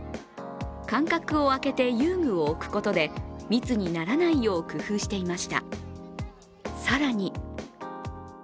間隔を空けて遊具を置くことで密にならないよう工夫していました。